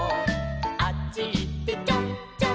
「あっちいってちょんちょん」